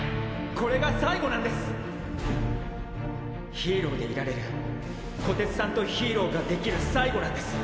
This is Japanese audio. ヒーローでいられる虎徹さんとヒーローができる最後なんです。